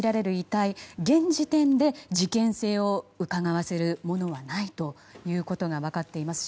体現時点で事件性をうかがわせるものはないということが分かっています。